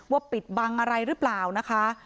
ปิดบังอะไรหรือเปล่านะคะ